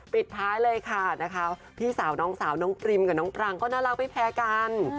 ปิดท้ายเลยค่ะนะคะพี่สาวน้องสาวน้องปริมกับน้องปรางก็น่ารักไม่แพ้กัน